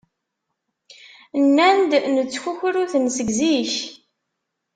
Nnan-d nettkukru-ten seg zik.